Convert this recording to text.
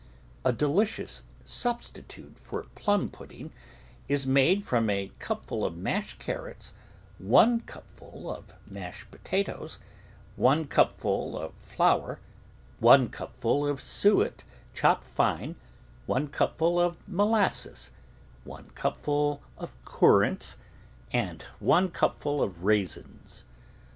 A delicious substitute for plum pudding is made [W] THE VEGETABLE GARDEN from a cupful of mashed carrots, one cupful of mashed potatoes, one cupful of flour, one cupful of suet chopped fine, one cupful of molasses, one cup ful of currants, and one cupful of raisins.